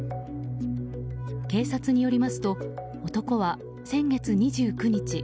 警察によりますと男は先月２９日